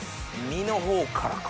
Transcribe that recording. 身の方からか。